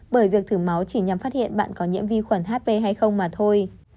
bởi việc thử máu chỉ nhằm phát hiện bạn có nhiễm vi khuẩn hp hay không mà thôi